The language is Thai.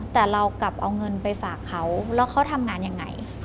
แต่เรากลับเอาเงินไปฝากเขาแล้วเขาทำงานยังไง